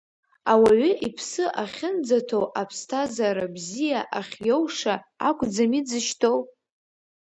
Ауаҩы иԥсы ахьынӡаҭоу аԥсҭазара бзиа ахьиоуша акәӡами дзышьҭоу?!